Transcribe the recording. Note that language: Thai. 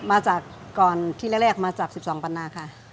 มาจากก่อนที่แรกมาจาก๑๒ปันนาค่ะ